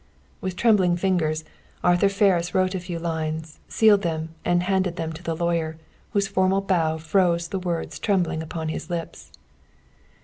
With trembling fingers, Arthur Ferris wrote a few lines, sealed them, and handed them to the lawyer, whose formal bow froze the words trembling upon his lips.